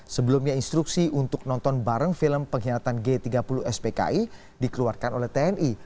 sebelumnya instruksi untuk nonton bareng film pengkhianatan g tiga puluh spki dikeluarkan oleh tni